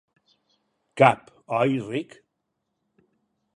Cap, oi Rick?